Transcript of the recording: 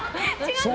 違う。